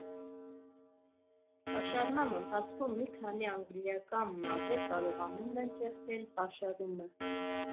Պաշարման ընթացքում մի քանի անգլիական նավեր կարողանում են ճեղքել պաշարումը։